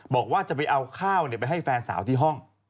บอกว่าจะไปเอาข้าวไปให้แฟนสาวที่ห้อง